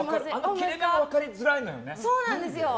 切れ目が分かりづらいのよね。